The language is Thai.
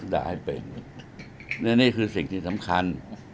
อย่าให้เป็นและนี่คือสิ่งที่สำคัญ